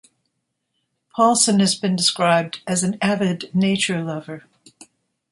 Paulson has been described as an avid nature lover.